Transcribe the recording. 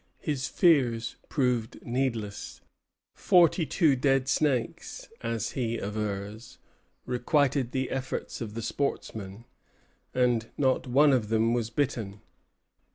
His fears proved needless. Forty two dead snakes, as he avers, requited the efforts of the sportsmen, and not one of them was bitten.